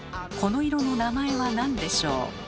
この色の名前は何でしょう？